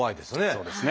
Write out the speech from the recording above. そうですね。